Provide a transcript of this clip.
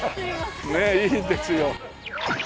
ねえいいですよ。